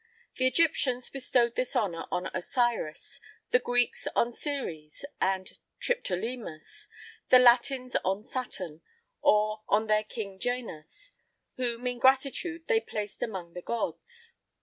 The Egyptians bestowed this honour on Osiris, the Greeks on Ceres and Triptolemus, the Latins on Saturn, or on their king Janus, whom, in gratitude, they placed among the gods.